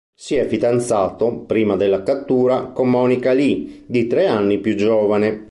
Si è fidanzato, prima della cattura, con Monica Lee, di tre anni più giovane.